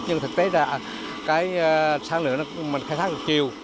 nhưng thực tế ra sản lượng mình khai thác được chiều